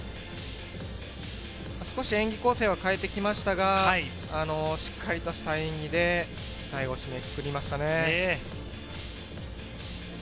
少し演技構成は変えてきましたが、しっかりとした演技で最後締めくくりましたね。